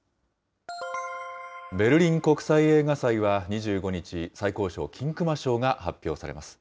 ベルリン国際映画祭は２５日、最高賞、金熊賞が発表されます。